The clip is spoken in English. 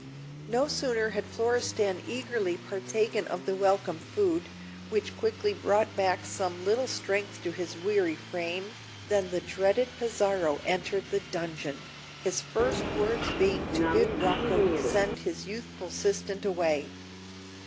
No sooner had Florestan eagerly partaken of the welcome food, which quickly brought back some little strength to his weary frame, than the dreaded Pizarro entered the dungeon, his first words being to bid Rocco send his youthful assistant away.